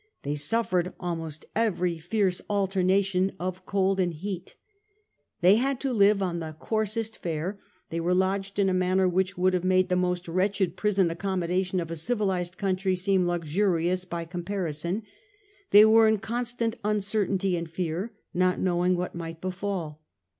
They suffered almost every fierce alternation of cold and heat. They had to live on the coarsest fare; they were lodged in a manner which would have made the most wretched prison accommodation of a civilised country seem luxurious by comparison; they were in constant uncertainty and fear, not know ing what might befall.